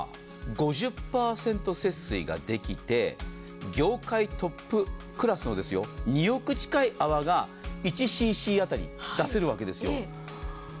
節水ができて業界トップクラスの２億近い泡が１ｃｃ当たり出せるわけです。